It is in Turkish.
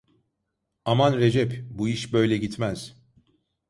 Aman Recep, bu iş böyle gitmez.